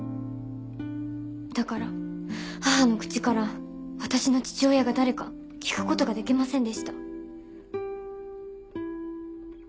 だから母の口から私の父親が誰か聞く事ができませんでした。